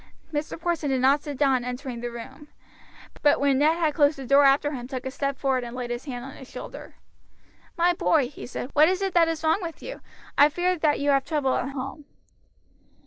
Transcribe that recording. Mr. Porson did not sit down on entering the room, but when Ned had closed the door after him took a step forward and laid his hand on his shoulder. "My boy," he said, "what is it that is wrong with you? I fear that you have trouble at home."